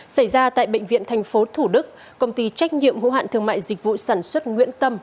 xảy ra tại bệnh viện tp thủ đức công ty trách nhiệm hữu hạn thương mại dịch vụ sản xuất nguyễn tâm